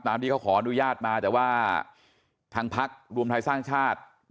ที่เขาขออนุญาตมาแต่ว่าทางพักรวมไทยสร้างชาติ